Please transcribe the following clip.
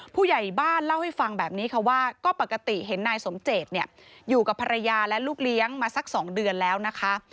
ผู้ใหญ่บ้านเล่าให้ฟังแบบนี้ค่ะว่าก็ปกติเห็นนายสมเจตเนี่ยอยู่กับภรรยาและลูกเลี้ยงมาสัก๒เดือนแล้วนะคะ